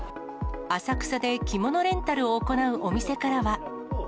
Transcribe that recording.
浅草で着物レンタルを行うお店からは。